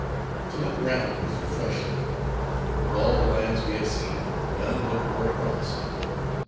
To look round was refreshing. Of all the lands we had seen, none looked more promising.